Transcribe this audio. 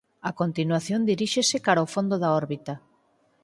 A continuación diríxese cara o fondo da órbita.